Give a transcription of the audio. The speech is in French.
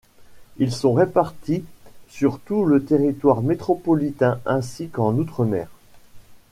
Ils sont répartis sur tout le territoire métropolitain ainsi qu'en outre-mer.